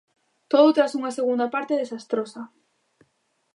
Todo tras unha segunda parte desastrosa.